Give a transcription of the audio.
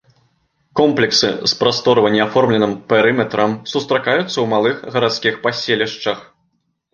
Комплексы з прасторава не аформленым перыметрам сустракаюцца ў малых гарадскіх паселішчах.